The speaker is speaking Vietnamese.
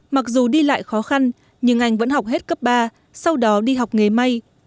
mặc dù đi lại khó khăn nhưng anh vẫn học hết cấp ba sau đó đi học nghề may